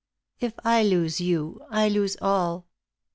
If I lose you, I lose all."